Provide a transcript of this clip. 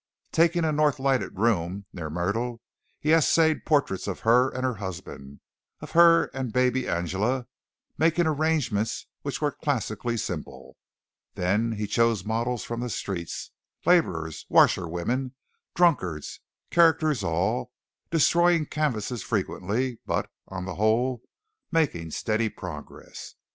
Taking a north lighted room near Myrtle he essayed portraits of her and her husband, of her and baby Angela, making arrangements which were classically simple. Then he chose models from the streets, laborers, washerwomen, drunkards characters all, destroying canvases frequently, but, on the whole, making steady progress.